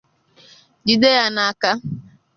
jide ya n'aka